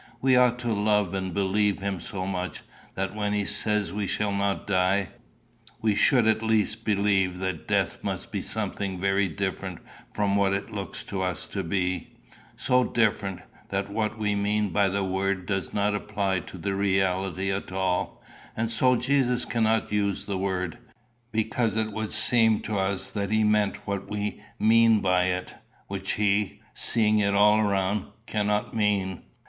We ought to love and believe him so much, that when he says we shall not die, we should at least believe that death must be something very different from what it looks to us to be so different, that what we mean by the word does not apply to the reality at all; and so Jesus cannot use the word, because it would seem to us that he meant what we mean by it, which he, seeing it all round, cannot mean."